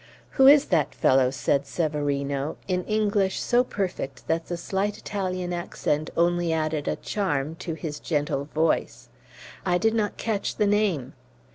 "Who is that fellow?" said Severino, in English so perfect that the slight Italian accent only added a charm to his gentle voice. "I did not catch the name."